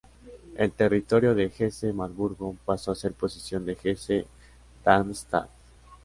El territorio de Hesse-Marburgo pasó a ser posesión de Hesse-Darmstadt.